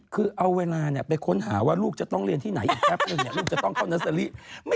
คือพี่ไม่มาทั้งคู่พี่ไม่รอทั้งคู่อะแหละ